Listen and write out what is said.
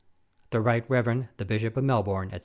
The Right Rev. The Bishop of Melbourne, &c.